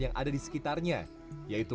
yang ada di sekitarnya yaitu